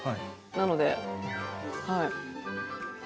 なのではい。